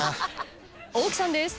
大木さんです。